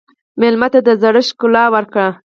مېلمه ته د زړښت ښکلا ورکړه.